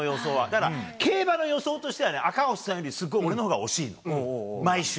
だから競馬の予想としてはね、赤星さんよりすっごい俺のほうが惜しいの、毎週。